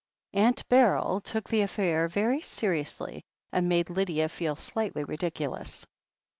Aunt Beryl took the affair very seriously, and made Lydia feel slightly ridiculous.